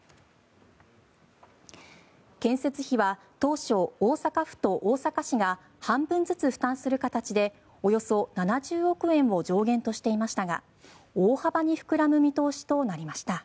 建設費は当初、大阪府と大阪市が半分ずつ負担する形でおよそ７０億円を上限としていましたが大幅に膨らむ見通しとなりました。